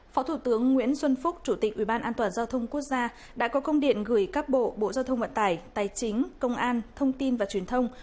phó thủ tướng nguyễn xuân phúc chủ tịch ủy ban an toàn giao thông quốc gia đã có công điện gửi các bộ bộ giao thông vận tải tài chính công an thông tin và truyền thông